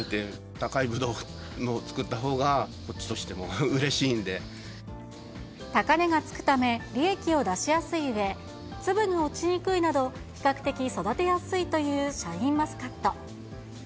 高いブドウを作ったほうが、高値がつくため、利益を出しやすいうえ、粒が落ちにくいなど比較的育てやすいというシャインマスカット。